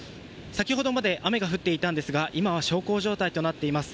先ほどまで雨が降っていたんですが今は小康状態となっています。